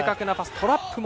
トラップも。